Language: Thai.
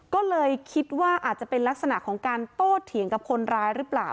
ก็เลยคิดว่าอาจจะเป็นลักษณะของการโต้เถียงกับคนร้ายหรือเปล่า